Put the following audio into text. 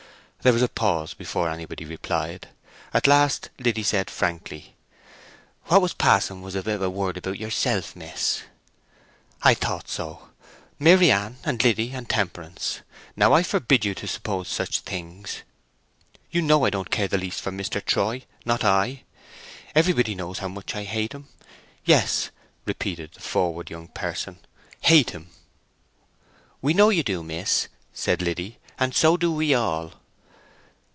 There was a pause before anybody replied. At last Liddy said frankly, "What was passing was a bit of a word about yourself, miss." "I thought so! Maryann and Liddy and Temperance—now I forbid you to suppose such things. You know I don't care the least for Mr. Troy—not I. Everybody knows how much I hate him.—Yes," repeated the froward young person, "hate him!" "We know you do, miss," said Liddy; "and so do we all."